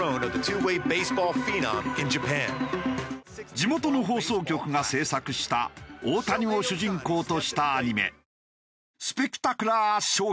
地元の放送局が制作した大谷を主人公としたアニメ。